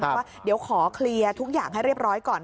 ว่าเดี๋ยวขอเคลียร์ทุกอย่างให้เรียบร้อยก่อน